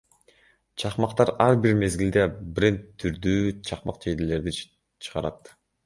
Чакмактар Ар бир мезгилде бренд түрдүү чакмак жейделерди чыгарат.